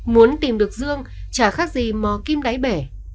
muốn tìm được dương chả khác gì mò kim đáy bể